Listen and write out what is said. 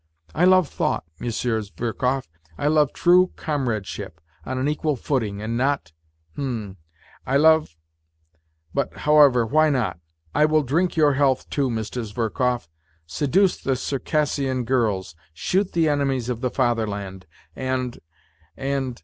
"I love thought, Monsieur Zverkov; I love true comradeship, on an equal footing and not ... H ? m ... I love. ... But, however, why not ? I will drink your health, too, Mr. Zverkov. Seduce the Circassian girls, shoot the enemies of the fatherland and ... and